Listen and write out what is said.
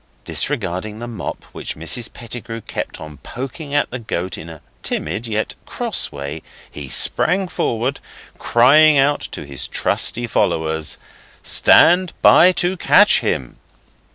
Disregarding the mop which Mrs Pettigrew kept on poking at the goat in a timid yet cross way, he sprang forward, crying out to his trusty followers, 'Stand by to catch him!